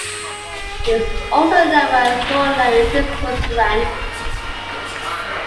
He was also known for extraordinary physical strength.